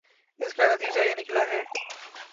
اس کا نتیجہ یہ نکلا ہے